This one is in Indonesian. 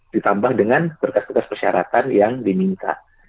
ditambah dengan bekas bekas persyaratan yang diminta